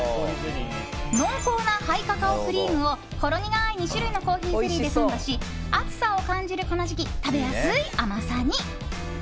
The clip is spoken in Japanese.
濃厚なハイカカオクリームをほろ苦い２種類のコーヒーゼリーでサンドし暑さを感じるこの時期食べやすい甘さに。